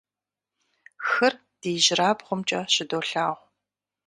Хыр ди ижьырабгъумкӀэ щыдолъагъу.